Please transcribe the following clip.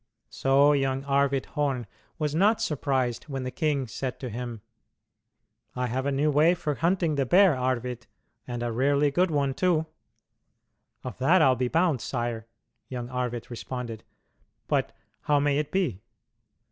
So young Arvid Horn was not surprised when the king said to him: "I have a new way for hunting the bear, Arvid, and a rarely good one, too." "Of that I'll be bound, sire," young Arvid responded; "but how may it be?"